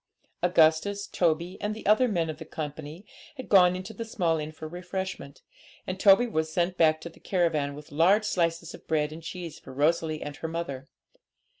Augustus, Toby, and the other men of the company had gone into the small inn for refreshment, and Toby was sent back to the caravan with large slices of bread and cheese for Rosalie and her mother.